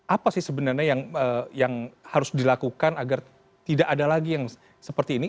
apa sih sebenarnya yang harus dilakukan agar tidak ada lagi yang seperti ini